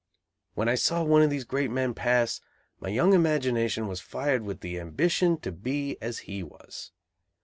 When I saw one of these great men pass, my young imagination was fired with the ambition to be as he was!